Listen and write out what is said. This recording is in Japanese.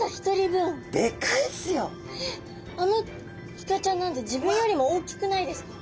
あのイカちゃんなんて自分よりも大きくないですか？